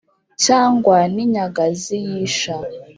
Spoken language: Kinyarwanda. cyangwa n’inyagazi y’isha,